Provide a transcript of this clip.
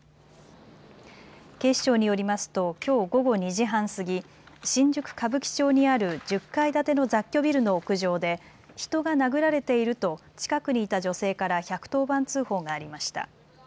警視庁によりますときょう午後２時半過ぎ新宿歌舞伎町にある１０階建ての雑居ビルの屋上で人が殴られていると近くにいた女性から１１０番通報がありました。